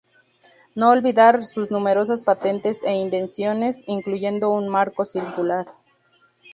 No olvidar sus numerosas patentes e invenciones, incluyendo un marco circular.